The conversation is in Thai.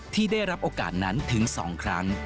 ที่ได้รับโอกาสนั้นถึง๒ครั้ง